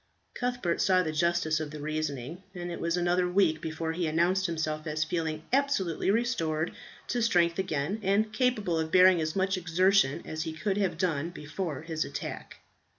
Cuthbert saw the justice of the reasoning, and it was another week before he announced himself as feeling absolutely restored to strength again, and capable of bearing as much exertion as he could have done before his attack.